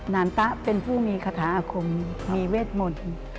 นานตะเป็นผู้มีคาถาอาคมมีเวทมนต์